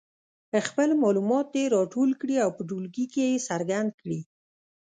خپل معلومات دې راټول کړي او په ټولګي کې یې څرګند کړي.